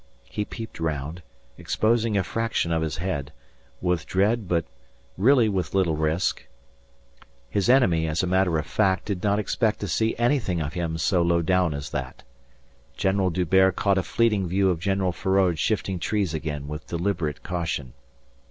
He peeped round, exposing a fraction of his head, with dread but really with little risk. His enemy, as a matter of fact, did not expect to see anything of him so low down as that. General D'Hubert caught a fleeting view of General Feraud shifting trees again with deliberate caution.